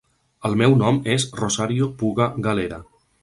El meu nom és Rosario Puga Galera.